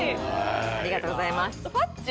ありがとうございます